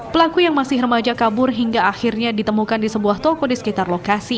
pelaku yang masih remaja kabur hingga akhirnya ditemukan di sebuah toko di sekitar lokasi